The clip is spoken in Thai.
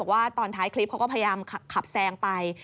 ว่าตอนท้ายคลิปเขาก็พยายามขับแซงไป